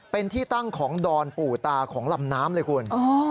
เป็นที่ตั้งของดอนปู่ตาของลำน้ำเลยคุณ